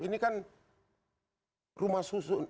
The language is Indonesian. ini kan rumah susun